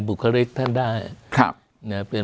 บุคลิกท่านได้